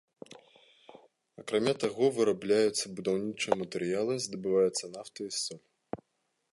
Акрамя таго, вырабляюцца будаўнічыя матэрыялы, здабываецца нафта і соль.